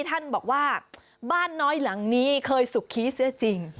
ท่านบอกว่าบ้านน้อยหลังนี้เคยสุขี้เสียจริง